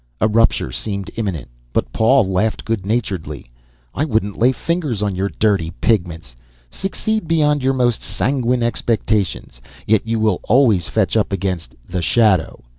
A rupture seemed imminent, but Paul laughed good naturedly. "I wouldn't lay fingers on your dirty pigments. Succeed beyond your most sanguine expectations, yet you will always fetch up against the shadow.